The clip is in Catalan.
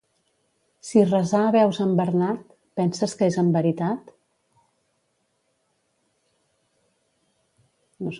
Si resar veus en Bernat, penses que és en veritat?